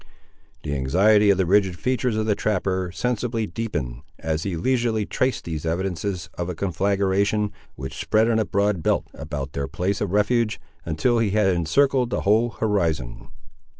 The anxiety on the rigid features of the trapper sensibly deepened, as he leisurely traced these evidences of a conflagration, which spread in a broad belt about their place of refuge, until he had encircled the whole horizon.